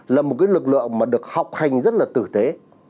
là một cái lực lượng mà được học hành rất là tử tế